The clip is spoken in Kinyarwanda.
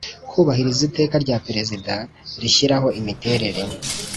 Kubahiriza Iteka Rya Perezida Rishyiraho Imiterere